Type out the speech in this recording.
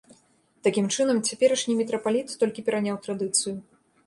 Такім чынам, цяперашні мітрапаліт толькі пераняў традыцыю.